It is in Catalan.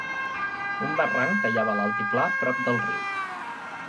Un barranc tallava l'altiplà prop del riu.